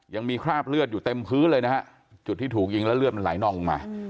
ยังมีคราบเลือดอยู่เต็มพื้นเลยนะฮะจุดที่ถูกยิงแล้วเลือดมันไหลนองลงมา